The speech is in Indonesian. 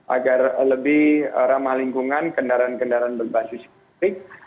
agar lebih ramah lingkungan kendaraan kendaraan berbasis listrik